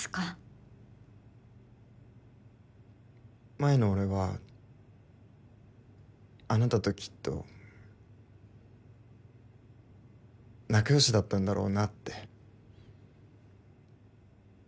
前の俺はあなたときっと仲よしだったんだろうなって。